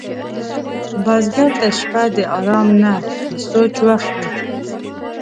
بزګر ته شپه د آرام نه، د سوچ وخت وي